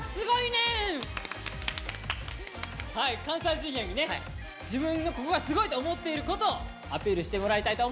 はい関西Ｊｒ．にね自分のココがすごいと思っていることアピールしてもらいたいと思います。